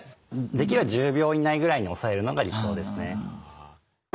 できれば１０秒以内ぐらいに抑えるのが理想ですね。